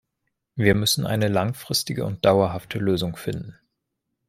Wir müssen eine langfristige und dauerhafte Lösung finden.